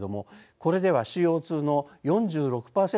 これではＣＯ２の４６％